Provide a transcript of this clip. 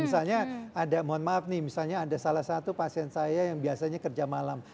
misalnya ada mohon maaf nih misalnya ada salah satu pasien saya yang biasanya kerja malam